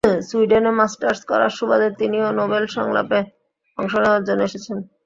সুইডেনে masters করার সুবাদে তিনিও নোবেল সংলাপে অংশ নেওয়ার জন্য এসেছেন।